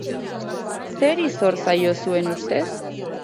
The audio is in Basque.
Zeri zor zaio, zuen ustez?